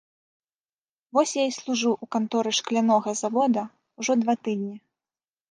Вось я і служу ў канторы шклянога завода, ужо два тыдні.